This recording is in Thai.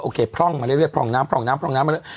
โคร่องมาเรื่อยพร่องน้ำพร่องน้ำพร่องน้ำมาเรื่อย